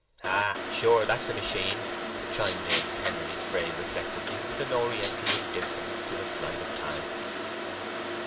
"Ay, sure—that's the machine," chimed in Henery Fray, reflectively, with an Oriental indifference to the flight of time.